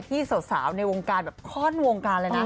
ที่สาวในวงการคอนวงการ